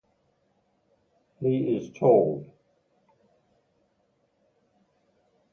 He is tall.